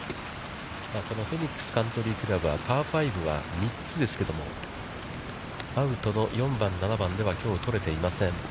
このフェニックスカントリークラブは、パー５は３つですけどもアウトの４番、７番ではきょう、取れていません。